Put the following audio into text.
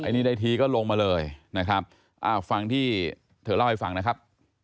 อันนี้ได้ทีก็ลงมาเลยฟังที่เธอเล่าให้ฟังนะครับ